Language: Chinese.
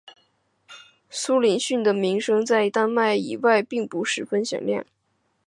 苏连逊的名声在丹麦以外并不是十分响。